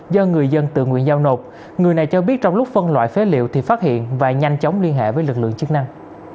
do người dân tự nguyện giao nộp người này cho biết trong lúc phân loại phế liệu thì phát hiện và nhanh chóng liên hệ với lực lượng chức năng